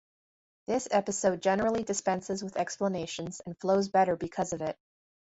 This episode generally dispenses with explanations, and flows better because of it.